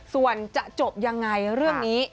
ส่วนจะจบยังไงเรื่องนี้